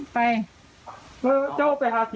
เจ้าไปหาสี่บ้านเหี่ยงเอาผมเอาสะโหลดอะไรมันดู